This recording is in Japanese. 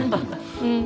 うん。